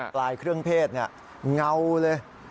ลายเครื่องเพศเงาเลย